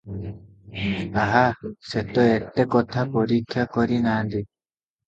ଆହା, ସେତ ଏତେ କଥା ପରୀକ୍ଷା କରି ନାହାନ୍ତି ।